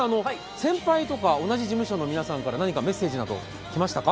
先輩とか同じ事務所の皆さんから何かメッセージなど来ましたか？